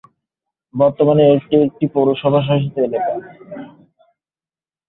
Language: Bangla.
বর্তমানে এটি একটি পৌরসভা শাসিত এলাকা।